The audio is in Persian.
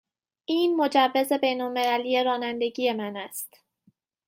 این مجوز بین المللی رانندگی من است.